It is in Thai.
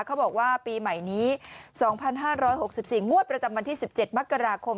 เขาบอกว่าปีใหม่นี้๒๕๖๔งวดประจำวันที่๑๗มกราคม